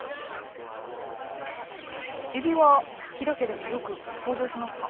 えびは飛田家でもよく登場しますか？